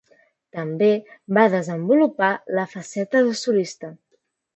També va desenvolupar la faceta de solista.